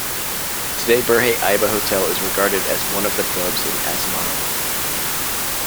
Today Berhe Aiba hotel is regarded as one of the clubs in Asmara.